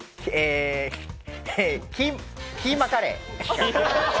キーマカレー？